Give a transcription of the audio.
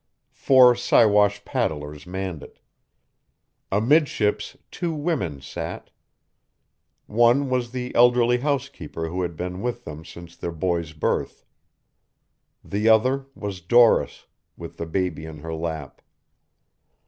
Four Siwash paddlers manned it. Amidships two women sat. One was the elderly housekeeper who had been with them since their boy's birth. The other was Doris, with the baby in her lap.